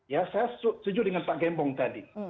ya saya setuju dengan pak gembong tadi